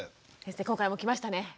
今回もきましたね。